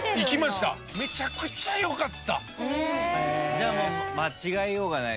じゃあもう間違えようがないですね。